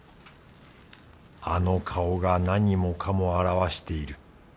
あの顔が何もかも表している。